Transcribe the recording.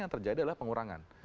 yang terjadi adalah pengurangan